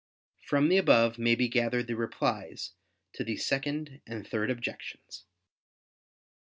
From the above may be gathered the replies to the Second and Third Objections.